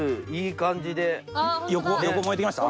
横燃えてきました？